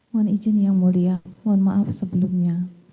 mohon izin yang mulia mohon maaf sebelumnya